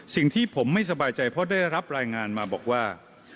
สิ่งที่ผมไม่สบายใจเพราะได้รับรายงานมาบอกว่า